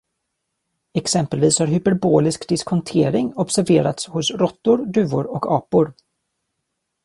Exempelvis har hyperbolisk diskontering observerats hos råttor, duvor och apor.